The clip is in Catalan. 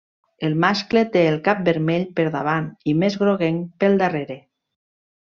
El mascle té el cap vermell per davant i més groguenc pel darrere.